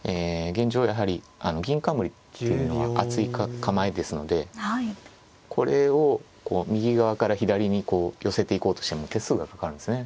やはり銀冠っていうのは厚い構えですのでこれを右側から左に寄せていこうとしても手数がかかるんですね。